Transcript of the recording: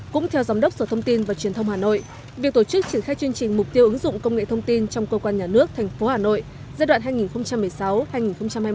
cũng theo giám đốc sở thông tin và truyền thông hà nội việc tổ chức triển khai chương trình mục tiêu ứng dụng công nghệ thông tin trong cơ quan nhà nước tp hà nội giai đoạn hai nghìn một mươi sáu hai nghìn hai mươi